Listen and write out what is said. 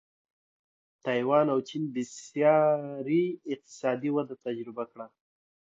تایوان او چین بېسارې اقتصادي وده تجربه کړه.